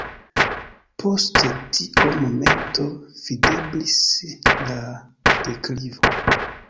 Post tio momento videblis la deklivo.